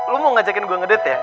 lo mau ngajakin gue ngedet ya